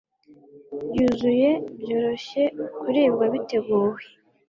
byuzuye byoroshye kuribwa biteguwe